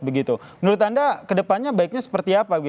menurut anda kedepannya baiknya seperti apa